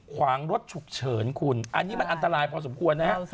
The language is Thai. ขวางรถฉุกเฉินคุณอันนี้มันอันตรายพอสมควรนะฮะ